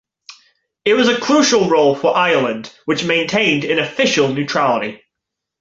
It was a crucial role for Ireland, which maintained an official neutrality.